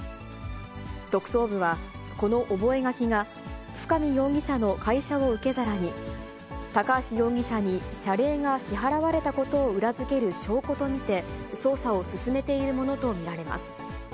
特捜部は、この覚書が、深見容疑者の会社を受け皿に、高橋容疑者に謝礼が支払われたことを裏づける証拠と見て、捜査を進めているものと見られます。